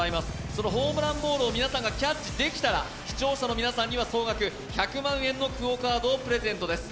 そのホームランボールを皆さんがキャッチできたら、視聴者の皆さんには総額１００万円のＱＵＯカードをプレゼントです。